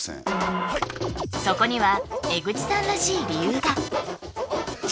そこには江口さんらしい理由が！